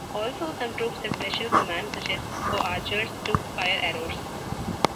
Also, some troops have special commands, such as for archers to fire arrows.